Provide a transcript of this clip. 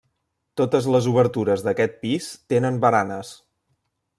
Totes les obertures d'aquest pis tenen baranes.